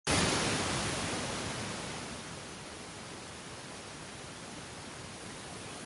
McCormick donó fondos para instalar un telescopio en la Universidad de Virginia.